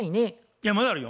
いやまだあるよ。